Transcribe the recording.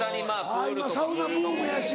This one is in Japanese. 今サウナブームやし。